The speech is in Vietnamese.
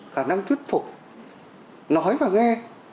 khả năng thuyết phục nói và nghe